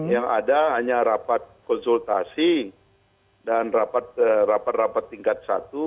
yang ada hanya rapat konsultasi dan rapat rapat tingkat satu